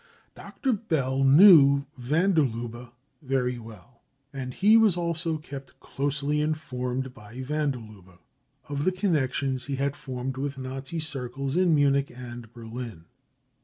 Dr. Bell knew van der Lubbe very well, and he was also kept closely informed by van der Lubbe of the connections he had formed with Nazi circles fci Munich and Berlin.